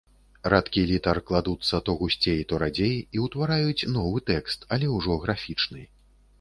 Радкі літар кладуцца то гусцей, то радзей, і ўтвараюць новы тэкст, але ўжо графічны.